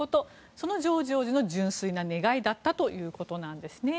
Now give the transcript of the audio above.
そのジョージ王子の純粋な願いだったということです。